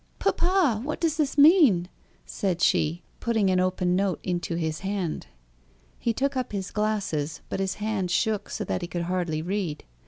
"Papa! what does this mean?" said she, putting an open note into his hand. He took up his glasses, but his hand shook so that he could hardly read.